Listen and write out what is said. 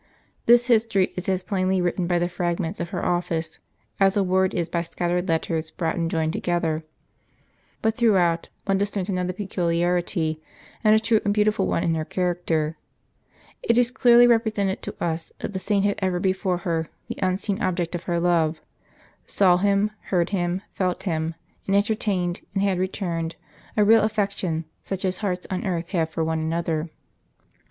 This history is as plainly written by the fragments of her office, as a word is by scattered letters brought, and joined together. But through out, one discerns another peculiarity, and a truly beautiful one in her character. It is clearly represented to us, that the saint had ever before her the unseen Object of her love, saw Him, heard Him, felt Him, and entertained, and had returned, a real affection, such as hearts on earth have for one another.